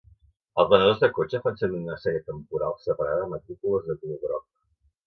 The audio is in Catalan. Els venedors de cotxes fan servir una sèrie temporal separada de matrícules de color groc.